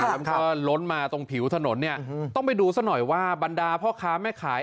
มันก็ล้นมาตรงผิวถนนเนี่ยต้องไปดูซะหน่อยว่าบรรดาพ่อค้าแม่ขาย